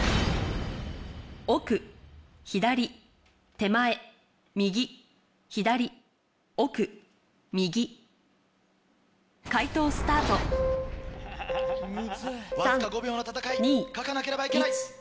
奥左手前右左奥右解答スタートわずか５秒の戦い書かなければいけない。